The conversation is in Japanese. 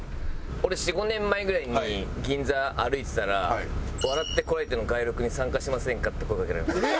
俺４５年前ぐらいに銀座歩いてたら「『笑ってコラえて！』の街録に参加しませんか？」って声かけられました。